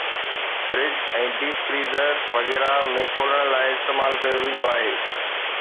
fridge ۽ deep freezer وغيره ۾ کولڻ لاءِ استعمال ڪيو ويندو آهي